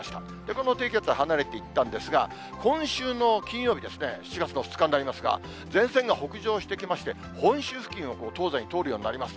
この低気圧は離れていったんですが、今週の金曜日ですね、７月の２日になりますが、前線が北上してきまして、本州付近を東西に通るようになります。